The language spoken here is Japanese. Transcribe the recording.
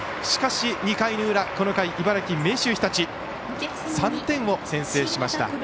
しかし、２回の裏この回、茨城、明秀日立３点を先制しました。